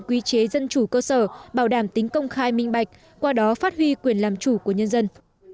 quy chế dân chủ cơ sở bảo đảm tính công khai minh bạch qua đó phát huy quyền làm chủ của nhân dân